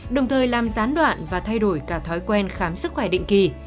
đồng thời làm gián đoạn và thay đổi cả thói quen khám sức khỏe định kỳ